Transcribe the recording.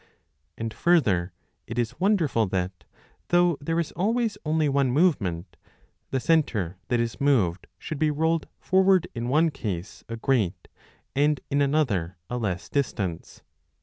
And, further, it is wonderful that, though there is always only one movement, the centre that is moved should be rolled forward in one case 30 a great and in another a less distance.